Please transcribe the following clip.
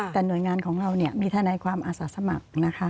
แต่หน่วยงานของเราเนี่ยมีทะนายความอาศักดิ์สมัครนะคะ